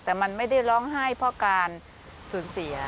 แต่มันไม่ได้ร้องไห้เพราะการสูญเสีย